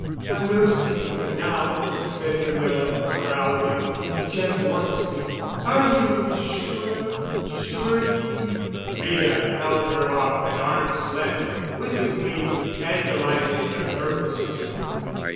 "I will stay here now," said Camilla proudly, "if Jeff wants me. Are you sure—sure—he——" Rita held her off at arm's length, quizzically—tantalizing her purposely.